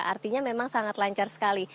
artinya memang sangat lancar sekali